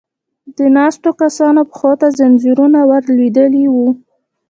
د ناستو کسانو پښو ته ځنځيرونه ور لوېدلې و.